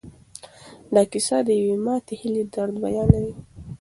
دا کیسه د یوې ماتې هیلې درد بیانوي.